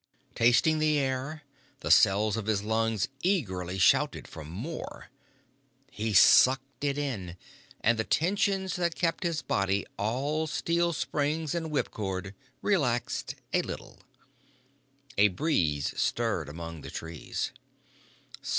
Tasting the air, the cells of his lungs eagerly shouted for more. He sucked it in, and the tensions that kept his body all steel springs and whipcord relaxed a little. A breeze stirred among the trees.